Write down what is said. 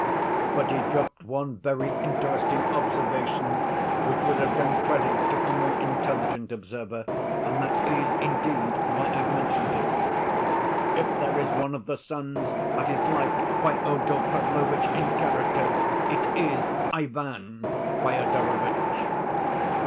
But he dropped one very interesting observation, which would have done credit to a more intelligent observer, and that is, indeed, why I've mentioned it: 'If there is one of the sons that is like Fyodor Pavlovitch in character, it is Ivan Fyodorovitch.